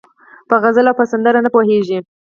په غزل او په سندره نه پوهېږي